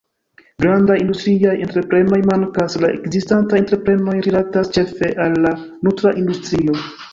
Grandaj industriaj entreprenoj mankas; la ekzistantaj entreprenoj rilatas ĉefe al la nutra industrio.